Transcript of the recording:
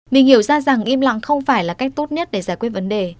mình hiểu ra rằng im lặng không phải là cách tốt nhất để giải quyết vấn đề